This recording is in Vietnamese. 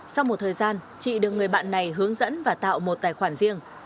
sau một thời gian chị được người bạn này hướng dẫn và tạo một tài khoản riêng